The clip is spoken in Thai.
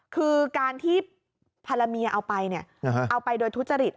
คือการที่ภรรยาเอาไปเอาไปโดยทุจริต